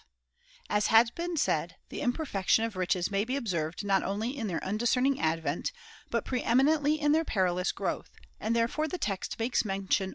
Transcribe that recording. ] As has been said, the imperfection of riches Peril of may be observed not only in their undiscerning riches advent, but pre eminently in their perilous growth ; and therefore the text makes mention 2°.